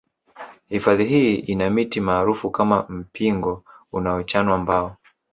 Hifadhi hii ina miti maarufu kama mpingo unaochanwa mbao